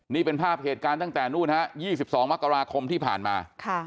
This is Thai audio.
นี่เป็นภาพเหตุการณ์ตั้งแต่นู่นฮะ๒๒มกราคมที่ผ่านมา